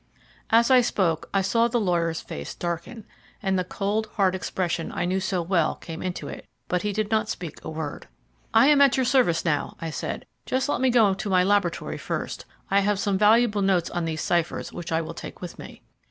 As I spoke I saw the lawyer's face darken, and the cold, hard expression I knew so well came into it, but he did not speak a word. "I am at your service now," I said. "Just let me go to my laboratory first. I have some valuable notes on these ciphers which I will take with me."